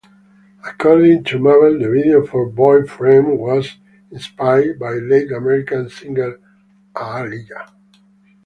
According to Mabel the video for "Boyfriend" was inspired by late American singer Aaliyah.